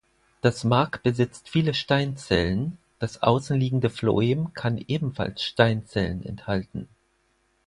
Das Mark besitzt viele Steinzellen, das außen liegende Phloem kann ebenfalls Steinzellen enthalten.